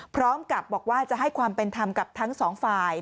พร้อมกับบอกว่าจะให้ความเป็นธรรมกับทั้งสองฝ่าย